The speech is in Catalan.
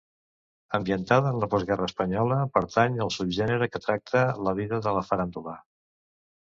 Ambientada en la postguerra espanyola, pertany al subgènere que tracta la vida de la faràndula.